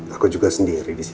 aku juga sendiri disini